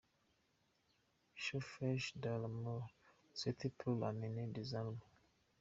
chauffage dans le nord, c’était pour amener des armes.